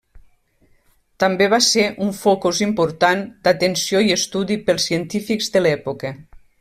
També va ser un focus important d'atenció i estudi pels científics de l'època.